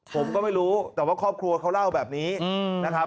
ผมก็ไม่รู้แต่ว่าครอบครัวเขาเล่าแบบนี้นะครับ